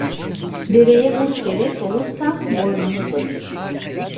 Deveye burç gerek olursa boynunu uzatır.